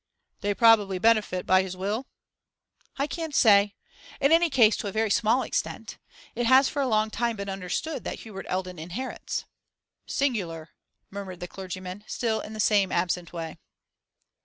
'They probably benefit by his will?' 'I can't say. In any case, to a very small extent. It has for a long time been understood that Hubert Eldon inherits.' 'Singular!' murmured the clergyman, still in the same absent way.